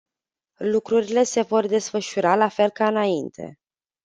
Lucrurile se vor desfășura la fel ca înainte.